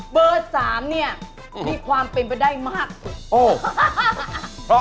เบอร์สามนี่มีความเป็นไปได้มากสุด